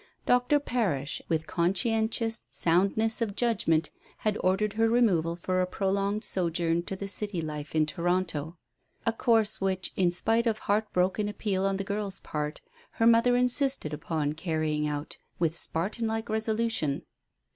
Dr. Parash, with conscientious soundness of judgment, had ordered her removal for a prolonged sojourn to city life in Toronto; a course which, in spite of heartbroken appeal on the girl's part, her mother insisted upon carrying out with Spartan like resolution.